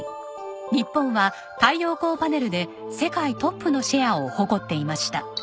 日本は太陽光パネルで世界トップのシェアを誇っていました。